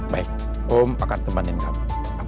baik om akan temenin kamu